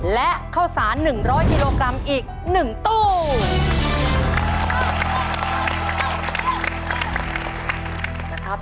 และข้าวสาร๑๐๐กิโลกรัมอีก๑ตู้